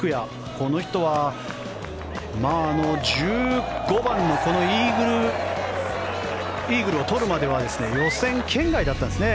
この人は１５番のイーグルを取るまでは予選圏外だったんですね